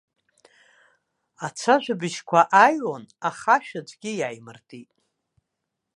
Ацәажәабжьқәа ааҩуан, аха ашә аӡәгьы иааимыртит.